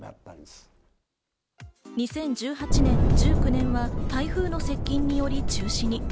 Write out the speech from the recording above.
２０１８年、１９年は、台風の接近により中止に。